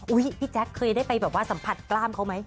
พี่แจ๊คเคยได้ไปแบบว่าสัมผัสกล้ามเขาไหม